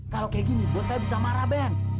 kalau kayak gini bos saya bisa marah band